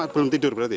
belum tidur berarti